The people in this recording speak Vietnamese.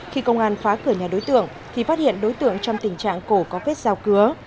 khi công an khóa cửa nhà đối tượng thì phát hiện đối tượng trong tình trạng cổ có vết dao cửa